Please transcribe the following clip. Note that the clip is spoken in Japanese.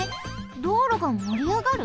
どうろがもりあがる？